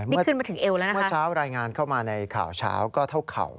นี่ขึ้นมาถึงเอวแล้วนะเมื่อเช้ารายงานเข้ามาในข่าวเช้าก็เท่าเข่า